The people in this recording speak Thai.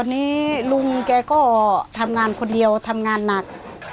ตอนนี้ลุงแกก็ทำงานคนเดียวทำงานหนัก